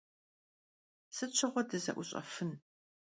Sıt şığue dıze'uş'efın?